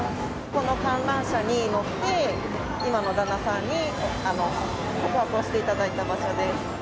この観覧車に乗って、今の旦那さんに告白をしていただいた場所です。